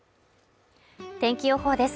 天気予報です